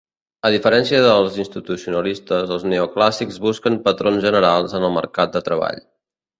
A diferència dels institucionalistes, els neoclàssics busquen patrons generals en el mercat de treball.